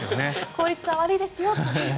効率は悪いですよって。